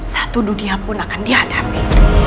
satu dunia pun akan dihadapi